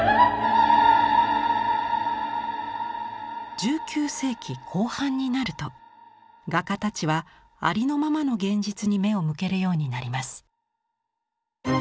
１９世紀後半になると画家たちはありのままの現実に目を向けるようになります。